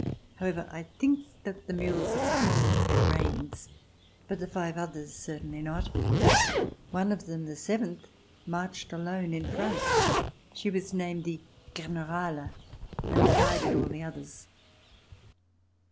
However, I think that the mules at the pole had reins, but the five others certainly not. One of them, the seventh, marched alone in front. She was named the *'Generala" and guided all the others.